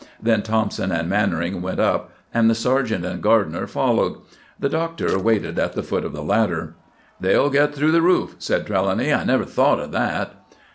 Then Thompson and Mannering went up, and the sergeant and gardener followed. The Doctor waited at the foot of the ladder. "They'll get through the roof!" said Trelawny; "I never thought of that!"